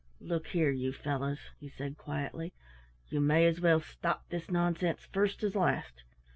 "Look here, you fellows," he said quietly, "you may as well stop this nonsense first as last.